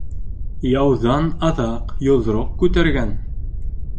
Яуҙан аҙаҡ йоҙроҡ күтәргән.